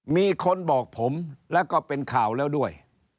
มีคนบอกผมแล้วก็เป็นข่าวแล้วด้วย